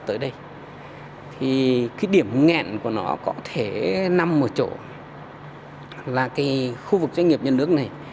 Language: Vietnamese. tới đây thì cái điểm nghẹn của nó có thể nằm ở chỗ là cái khu vực doanh nghiệp nhân nước này